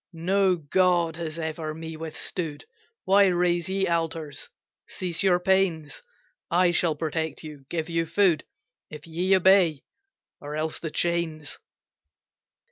"No god has ever me withstood, Why raise ye altars? cease your pains! I shall protect you, give you food, If ye obey, or else the chains."